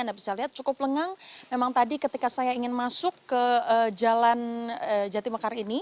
anda bisa lihat cukup lengang memang tadi ketika saya ingin masuk ke jalan jati mekar ini